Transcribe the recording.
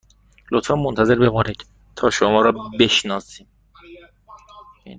لطفاً منتظر بمانید تا شما را بنشانیم